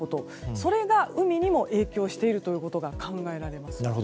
それが海にも影響していることが考えられます。